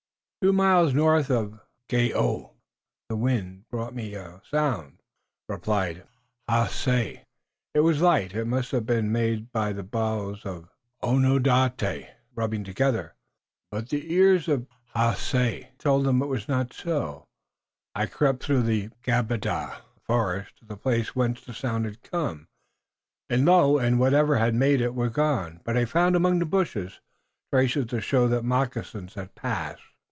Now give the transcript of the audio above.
"Two miles to the north Gao (the wind) brought me a sound," replied Haace. "It was light. It might have been made by the boughs of Oondote (a tree) rubbing together, but the ears of Haace told him it was not so. I crept through Gabada (the forest) to the place, whence the sound had come, and lo! it and whatever had made it were gone, but I found among the bushes traces to show that moccasins had passed."